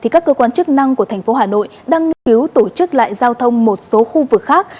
các cơ quan chức năng của thành phố hà nội đang nghiên cứu tổ chức lại giao thông một số khu vực khác